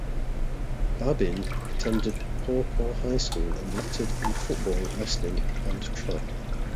Babin attended Paw Paw High School and lettered in football, wrestling, and track.